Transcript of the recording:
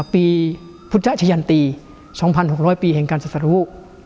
ปีพุทธชะยันตี๒๖๐๐ปีแห่งการศัตรู